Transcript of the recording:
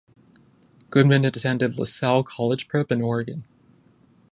Goodman attended La Salle College Prep in Oregon.